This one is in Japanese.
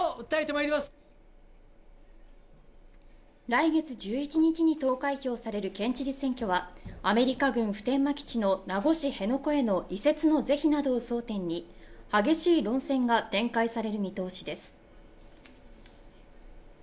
来月１１日に投開票される県知事選挙はアメリカ軍普天間基地の名護市辺野古への移設の是非などを争点に激しい論戦が展開される見通しです